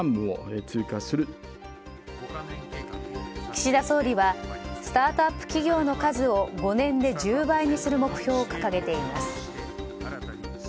岸田総理はスタートアップ企業の数を５年で１０倍にする目標を掲げています。